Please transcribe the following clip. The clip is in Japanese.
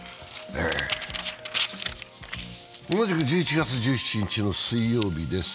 同じく１１月１７日の水曜日です。